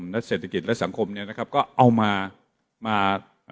และเศรษฐกิจและสังคมเนี่ยนะครับก็เอามามา